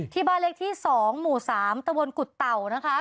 ที่บ้านเลขที่๒หมู่๓ตะวนกุฎเต่านะคะ